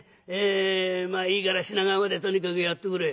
まあいいから品川までとにかくやってくれ」。